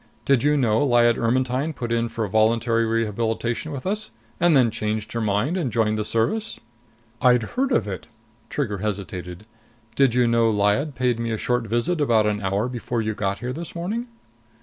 Did you know Lyad Ermetyne put in for voluntary rehabilitation with us, and then changed her mind and joined the Service?" "I'd heard of it." Trigger hesitated. "Did you know Lyad paid me a short visit about an hour before you got here this morning?"